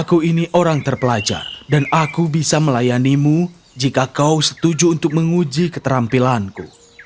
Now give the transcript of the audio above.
aku ini orang terpelajar dan aku bisa melayanimu jika kau setuju untuk menguji keterampilanku